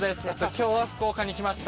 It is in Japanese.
今日は福岡に来ました。